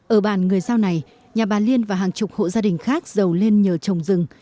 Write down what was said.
ở bàn người giao này nhà bà liên và hàng chục hộ gia đình khác giàu lên nhờ trồng rừng